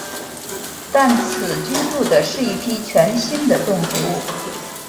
但此居住的是一批全新的动植物。